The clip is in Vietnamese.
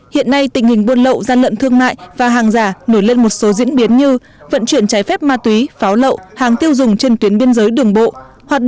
hiện nay tình hình buôn lậu gian lận thương mại và hàng giả nổi lên một số diễn biến như vận chuyển trái phép ma túy pháo lậu hàng tiêu dùng trên tuyến biên giới đường bộ